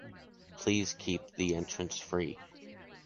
Please keep the entrance free.